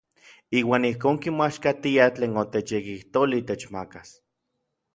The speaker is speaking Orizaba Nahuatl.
Iuan ijkon kimoaxkatiaj tlen otechyekijtolij techmakas.